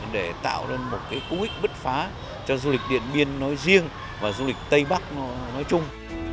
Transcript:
để tạo ra một cú ích bứt phá cho du lịch điện biên nói riêng và du lịch tây bắc nói chung